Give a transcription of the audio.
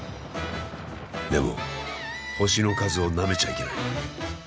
でも星の数をなめちゃいけない。